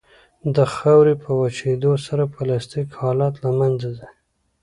د خاورې په وچېدو سره پلاستیک حالت له منځه ځي